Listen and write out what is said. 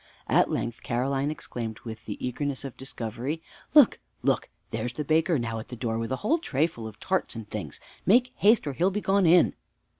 At length Caroline exclaimed with the eagerness of discovery, "Look! look! there's the baker now at the door, with a whole tray full of tarts and things. Make haste, or he'll be gone in."